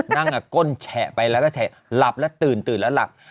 นั่งก้นแฉะไปแล้วก็แฉะหลับแล้วตื่นแล้วหลับ